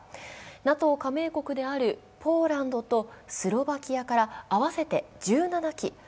ＮＡＴＯ加盟国であるポーランドとスロバキアから合わせて１７機。